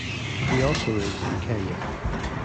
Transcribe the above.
He also lives in Kenya.